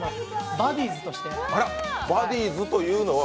バディーズというのは？